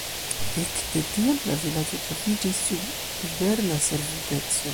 Ek de tiam la vilaĝo troviĝis sub berna servuteco.